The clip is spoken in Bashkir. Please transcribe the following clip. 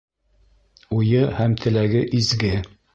Уйы һәм теләге изге.